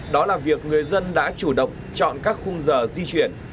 đó là việc người dân đã chủ động chọn các khung giờ di chuyển